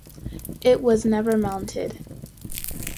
It was never mounted.